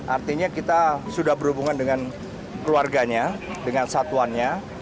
artinya kita sudah berhubungan dengan keluarganya dengan satuannya